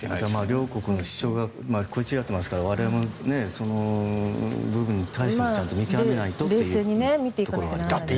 両国の主張が食い違っていますから我々も、その部分をちゃんと見極めないとというところがありますね。